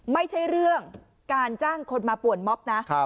ไม่ใช่เรื่องการจ้างคนมาป่วนม็อบนะ